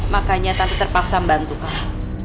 makanya tante terpaksa membantu kamu